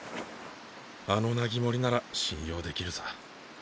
あのナギモリなら信用できるさ。